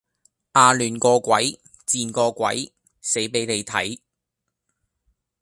啊亂個鬼，賤個鬼，死俾你睇